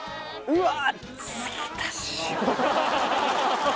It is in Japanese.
うわ